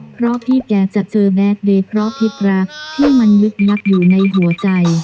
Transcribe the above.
เพราะพี่แกจะเจอแบดเดย์เพราะพิษรักที่มันลึกนักอยู่ในหัวใจ